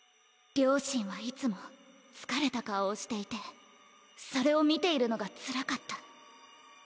両親はいつも疲れた顔をしていてそれを見ているのがつらかった。